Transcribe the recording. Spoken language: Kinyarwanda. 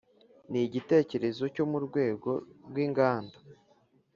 Ni icyitegererezo cyo mu rwego rw’inganda